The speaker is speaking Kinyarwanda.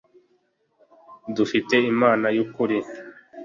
dufite imana y ‘ukuri .